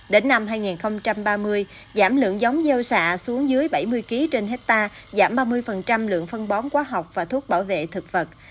đến năm hai nghìn ba mươi giảm lượng giống gieo xạ xuống dưới bảy mươi kg trên hectare giảm ba mươi lượng phân bón quá học và thuốc bảo vệ thực vật